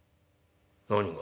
「何が？」。